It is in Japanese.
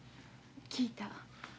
聞いた。